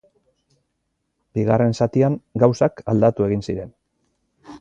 Bigarren zatian gauzak aldatu egin ziren.